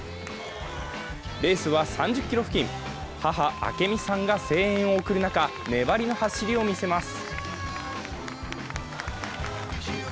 レースは３０ｋｍ付近、母・明美さんが声援を送る中、粘りの走りを見せます。